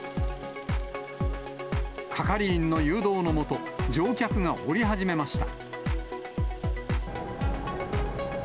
係員の誘導の下、乗客が降り始めました。